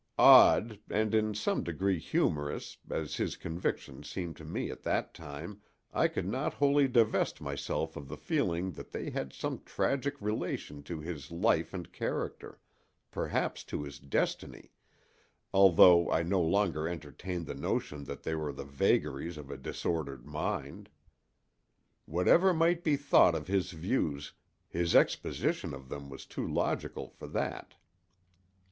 Odd, and in some degree humorous, as his convictions seemed to me at that time, I could not wholly divest myself of the feeling that they had some tragic relation to his life and character—perhaps to his destiny—although I no longer entertained the notion that they were the vagaries of a disordered mind. Whatever might be thought of his views, his exposition of them was too logical for that.